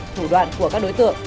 thủ đoạn của các đối tượng